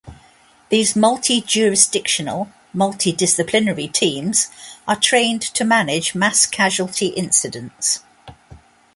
These multi-jurisdictional, multi-disciplinary teams are trained to manage mass-casualty incidents.